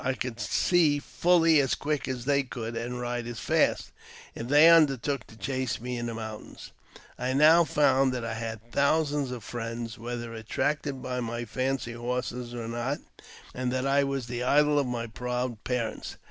I could see fully as quick as they could, and ride as fast, if they undertook to chase me in the mountains. I now found that I had thousands of friends, whether at tracted by my fancy horses or not, and that I was the idol of JAMES P.